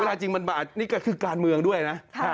จริงมันบาดนี่ก็คือการเมืองด้วยนะ